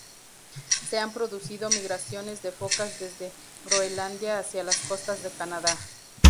Se han producido migraciones de focas desde Groenlandia hacia las costas de Canadá.